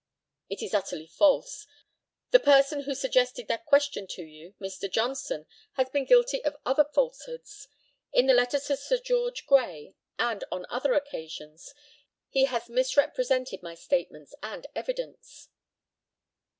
It is utterly false. The person who suggested that question to you, Mr. Johnson, has been guilty of other falsehoods. In the letter to Sir George Grey, and on other occasions, he has misrepresented my statements and evidence.